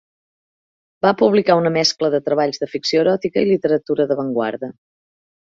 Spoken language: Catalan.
Va publicar una mescla de treballs de ficció eròtica i literatura d'avantguarda.